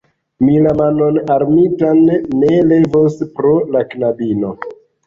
Mi la manon armitan ne levos pro la knabino.